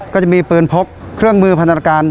ก็จะมีปืนพกเครื่องมือพันธรการ